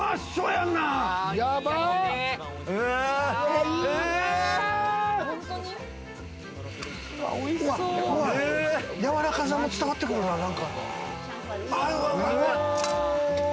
やわらかさも伝わってくるな。